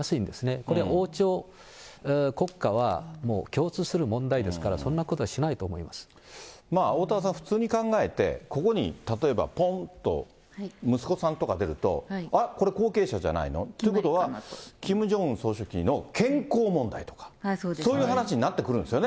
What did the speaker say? これは王朝国家は共通する問題ですから、そんなことしないと思いおおたわさん、普通に考えて、ここに例えば、ぽんと息子さんとか出ると、あっ、これ後継者じゃないの、ということは、キム・ジョンウン総書記の健康問題とか、そういう話になってくるんですよね。